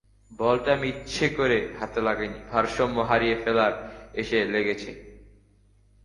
বলটা আমি ইচ্ছা করে হাতে লাগাইনি, ভারসাম্য হারিয়ে ফেলায় এসে লেগেছিল।